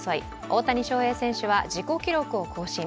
大谷翔平選手は自己記録を更新。